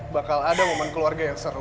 bakal ada momen keluarga yang seru